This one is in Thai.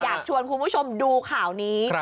อยากชวนคุณผู้ชมดูข่าวนี้